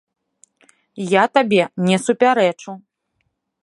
Я табе не супярэчу.